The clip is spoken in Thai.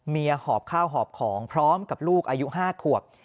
หอบข้าวหอบของพร้อมกับลูกอายุ๕ขวบ